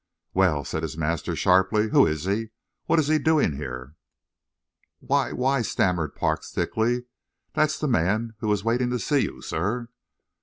"Well," said his master, sharply. "Who is he? What is he doing here?" "Why why," stammered Parks, thickly, "that's the man who was waiting to see you, sir."